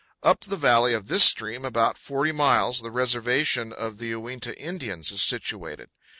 Up the valley of this stream about 40 miles the reservation of the Uinta Indians is situated.